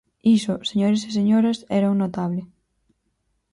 Iso, señores e señoras, era un notable.